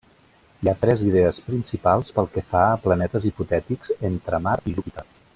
Hi ha tres idees principals pel que fa a planetes hipotètics entre Mart i Júpiter.